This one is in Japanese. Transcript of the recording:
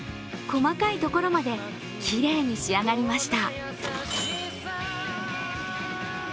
細かいところまで、きれいに仕上がりました。